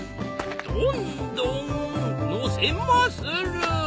どんどん乗せまする。